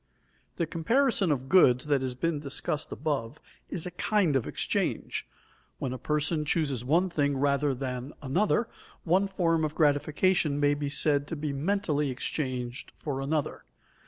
_ The comparison of goods that has been discussed above is a kind of exchange. When a person chooses one thing rather than another, one form of gratification may be said to be mentally exchanged for another.